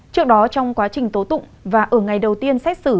trước đó trong quá trình tố tụng và ở ngày đầu tiên xét xử